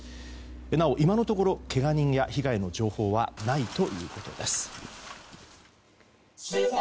なお、今のところけが人や被害の情報はないということです。